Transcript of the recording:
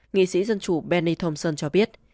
nghị sĩ dân chủ benny thompson cho biết